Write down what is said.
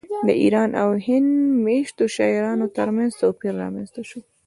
د ایران او هند میشتو شاعرانو ترمنځ توپیر رامنځته شو